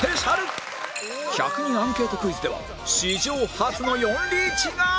１００人アンケートクイズでは史上初の４リーチが！